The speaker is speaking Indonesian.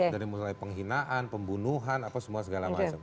dari mulai penghinaan pembunuhan apa semua segala macam